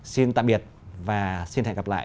xin tạm biệt và xin hẹn gặp lại